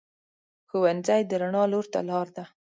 ښوونځی د رڼا لور ته لار ده